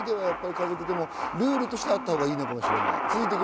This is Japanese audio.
家族でもルールとしてあったほうがいいのかもしれない。